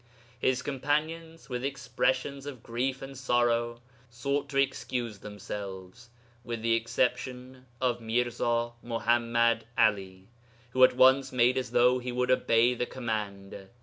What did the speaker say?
His companions, with expressions of grief and sorrow, sought to excuse themselves with the exception of Mirza Muḥammad 'Ali, who at once made as though he would obey the command.